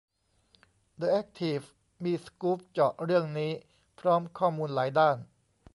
เดอะแอคทีฟมีสกู๊ปเจาะเรื่องนี้ พร้อมข้อมูลหลายด้าน